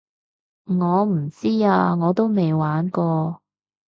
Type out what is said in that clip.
我唔知啊我都未玩過